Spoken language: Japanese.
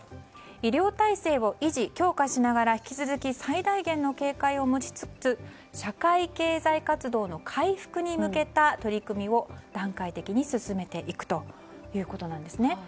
医療体制を維持・強化しながら引き続き最大限の警戒を持ちつつ社会経済活動の回復に向けた取り組みを段階的に進めていくということです。